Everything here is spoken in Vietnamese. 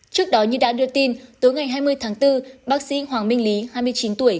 trước đó như đã đưa tin tối ngày hai mươi tháng bốn bác sĩ hoàng minh lý hai mươi chín tuổi